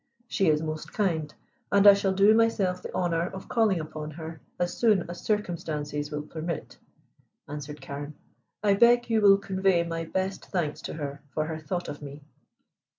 "She is most kind, and I shall do myself the honor of calling upon her as soon as circumstances will permit," answered Carne. "I beg you will convey my best thanks to her for her thought of me."